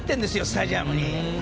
スタジアムに。